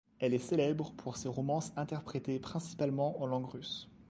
Elle est célèbre pour ses romances interprétées principalement en langue russe.